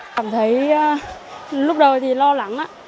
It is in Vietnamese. cảm thấy lúc đầu thì lo lắng á